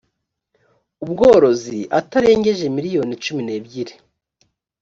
ubworozi atarengeje miliyoni cumi n ebyiri